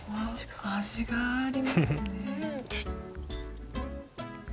味がありますね。